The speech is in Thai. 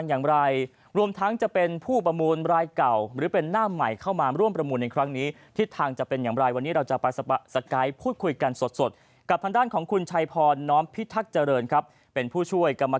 ไม่รู้ว่าทางด้านของกฎสตลช